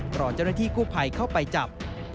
รอเจ้าหน้าที่กู้ภัยเข้าไปจับ